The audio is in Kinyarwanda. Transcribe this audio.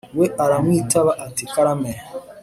We aramwitaba ati karame